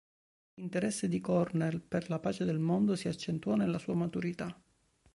L'interesse di Cornell per la pace nel mondo si accentuò nella sua maturità.